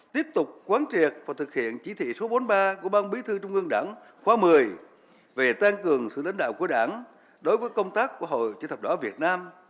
tiếp tục quán triệt và thực hiện chỉ thị số bốn mươi ba của ban bí thư trung ương đảng khóa một mươi về tăng cường sự lãnh đạo của đảng đối với công tác của hội chữ thập đỏ việt nam